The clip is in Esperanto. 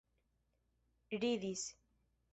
ridis